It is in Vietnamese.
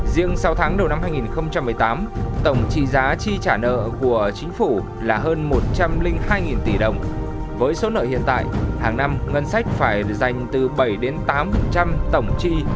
riêng sau tháng đầu năm hai nghìn một mươi tám tổng trị giá chi trả nợ của chính phủ là hơn một trăm linh hai tỷ đồng